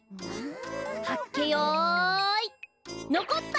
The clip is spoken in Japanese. はっけよいのこった！